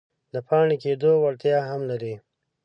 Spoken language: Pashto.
د پاڼې کیدو وړتیا هم لري.